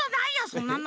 そんなの！